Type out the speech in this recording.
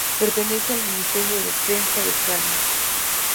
Pertenece al Ministerio de Defensa de Ucrania.